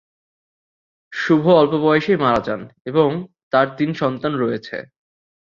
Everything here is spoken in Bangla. শুভ অল্প বয়সেই মারা যান এবং তার তিন সন্তান রয়েছে।